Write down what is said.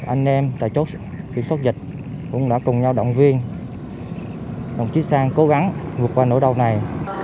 anh em tại chốt kiểm soát dịch cũng đã cùng nhau động viên đồng chí sang cố gắng vượt qua nỗi đau này